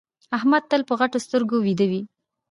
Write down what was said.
احمد تل په غټو سترګو ويده وي.